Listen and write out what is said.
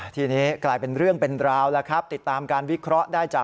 ทีนี้กลายเป็นเรื่องเป็นราวแล้วครับติดตามการวิเคราะห์ได้จาก